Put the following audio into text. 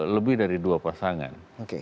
lebih dari dua pasangan